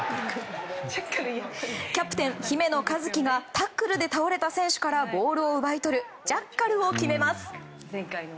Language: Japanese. キャプテン、姫野和樹がタックルで倒れた選手からボールを奪い取るジャッカルを決めます。